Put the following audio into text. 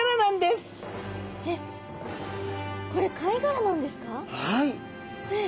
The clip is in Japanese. これ貝殻なんですか？